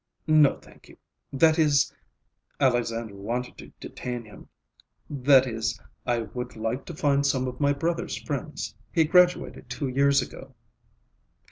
"No, thank you. That is—" Alexandra wanted to detain him. "That is, I would like to find some of my brother's friends. He graduated two years ago."